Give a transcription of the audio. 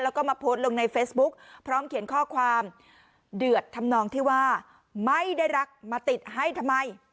แล้วก็มาโพสต์ลงในเฟซบุ๊กพร้อมเขียนข้อความเดือดทำนองที่ว่าไม่ได้รักมาติดให้ทำไม